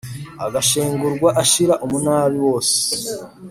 Agashengurwa ashira umunabi wose